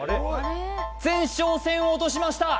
前哨戦を落としました